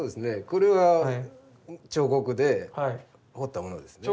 これは彫刻で彫ったものですね。